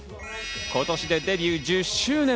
今年でデビュー１０周年。